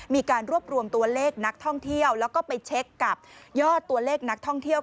มีการรวบรวมตัวเลขนักท่องเที่ยวแล้วก็ไปเช็คกับยอดตัวเลขนักท่องเที่ยว